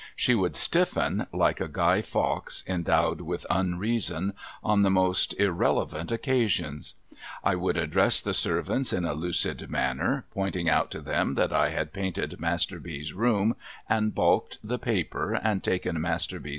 She would stiffen, like a Guy Fawkes endowed with unreason, on the most irrelevant occasions. I would address the servants in a lucid manner, pointing out to them that I had painted Master B.'s room and balked the paper, and taken Master B.'